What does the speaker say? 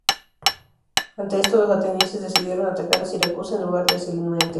Ante esto los atenienses decidieron atacar a Siracusa en lugar de a Selinunte.